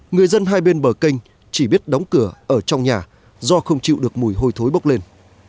người dân hai bên bờ canh chỉ biết đóng cửa ở trong nhà do không chịu được mùi hôi thối bốc lên